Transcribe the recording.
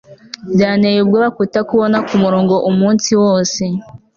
Byanteye ubwoba kutakubona kumurongo umunsi wose